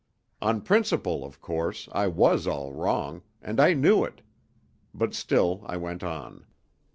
On principle, of course, I was all wrong, and I knew it; but still I went on.